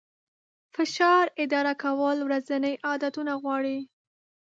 فشار اداره کول ورځني عادتونه غواړي.